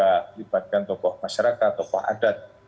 melibatkan tokoh masyarakat tokoh adat